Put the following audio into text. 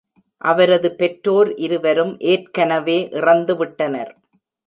அவரது பெற்றோர் இருவரும் ஏற்கனவே இறந்துவிட்டனர்.